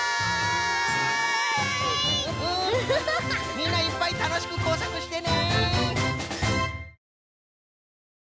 みんないっぱいたのしくこうさくしてね！